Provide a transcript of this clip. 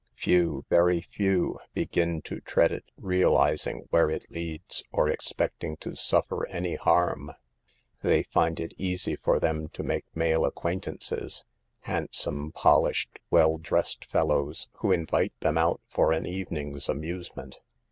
Few, very few, begin to tread it realizing where it leads, or expecting to suffer any barm. They find it easy for them to make male acquaintances ; handsome, polished, well dressed fellows, who invite them out for an evening's amusement.